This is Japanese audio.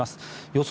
予想